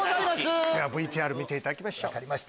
ＶＴＲ見ていただきましょう。